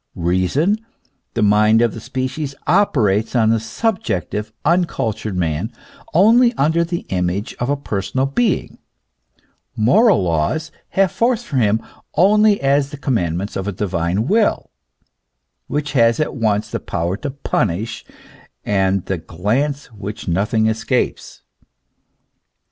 Keason, the mind of the species, operates on the subjective, uncultured man only under the image of a personal being. Moral laws have force for him only as the commandments of a Divine Will, which has THE CONTKADICTION IN THE KEVELATION OF GOD. 207 at once the power to punish and the glance which nothing escapes.